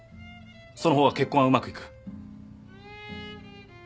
その方が結婚はうまくいく。